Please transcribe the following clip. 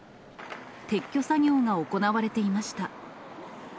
撤去作業が行われていました。